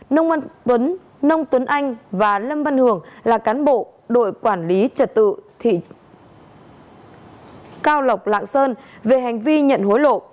nông tuấn anh và lâm văn hường là cán bộ đội quản lý trật tự thị cao lọc lạng sơn về hành vi nhận hối lộ